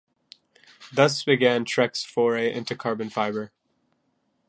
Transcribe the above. Thus began Trek's foray into carbon fiber.